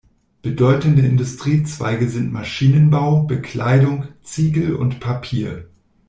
Bedeutende Industriezweige sind Maschinenbau, Bekleidung, Ziegel und Papier.